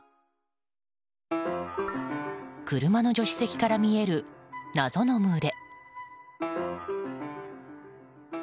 車の助手席から見える謎の群れ。